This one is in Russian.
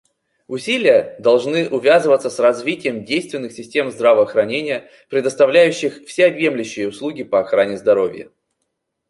Усилия должны увязываться с развитием действенных систем здравоохранения, предоставляющих всеобъемлющие услуги по охране здоровья.